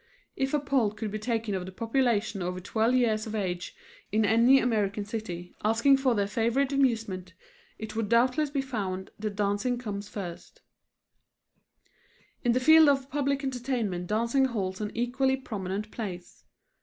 If a poll could be taken of the population over twelve years of age in any American city, asking for their favorite amusement, it would doubtless be found that dancing comes first. [Illustration: NED WAYBURN'S PRIVATE OFFICE] In the field of public entertainment dancing holds an equally prominent place.